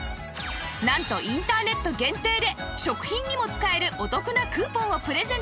なんとインターネット限定で食品にも使えるお得なクーポンをプレゼント